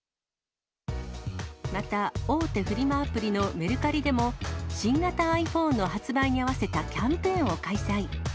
また、大手フリマアプリのメルカリでも、新型ｉＰｈｏｎｅの発売に合わせたキャンペーンを開催。